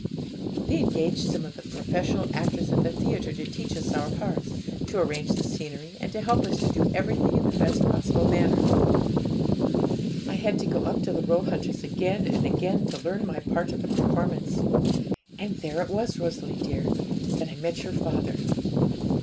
'They engaged some of the professional actors at the theatre to teach us our parts, to arrange the scenery, and to help us to do everything in the best possible manner. I had to go up to the Roehunters' again and again to learn my part of the performance. And there it was, Rosalie dear, that I met your father.